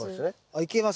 いけます？